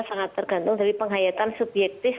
sangat tergantung dari penghayatan subjektif